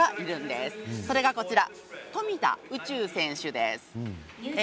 それが、富田宇宙選手です。